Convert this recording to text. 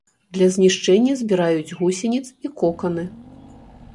Для знішчэння збіраюць гусеніц і коканы.